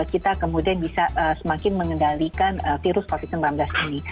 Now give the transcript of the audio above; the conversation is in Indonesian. kita kemudian bisa semakin mengendalikan virus covid sembilan belas ini